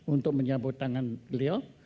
untuk menyambut tangan beliau